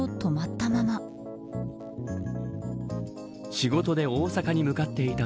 仕事で大阪に向かっていた